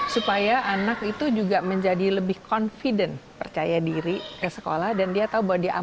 supaya anak itu juga menjadi lebih confident percaya diri ke sekolah dan dia tahu bahwa dia